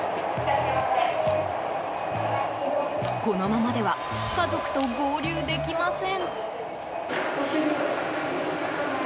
このままでは家族と合流できません。